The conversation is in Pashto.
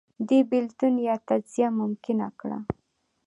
دې بېلتون یا تجزیه ممکنه کړه